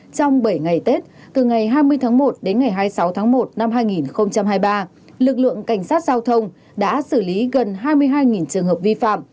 trong bảy ngày tết từ ngày hai mươi tháng một đến ngày hai mươi sáu tháng một năm hai nghìn hai mươi ba lực lượng cảnh sát giao thông đã xử lý gần hai mươi hai trường hợp vi phạm